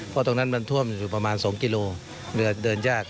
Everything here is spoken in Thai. เพราะตรงนั้นมันท่วมอยู่ประมาณ๒กิโลเรือเดินยาก